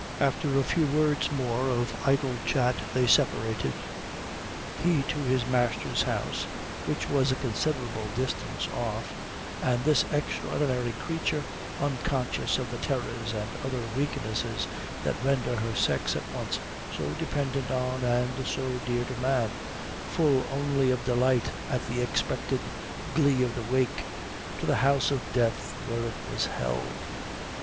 After a few words more of idle chat they separated; he to his master's house, which was a considerable distance off; and this extraordinary creature unconscious of the terrors and other weaknesses that render her sex at once so dependent on and so dear to man full only of delight at the expected glee of the wake to the house of death where it was held.